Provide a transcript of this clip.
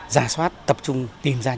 giả soát tập trung tìm ra